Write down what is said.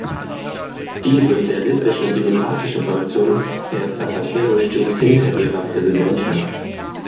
Die Sozialistische und Demokratische Fraktion, Herr Zapatero, steht hinter Ihrer Präsidentschaft.